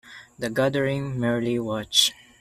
The Gathering merely watch.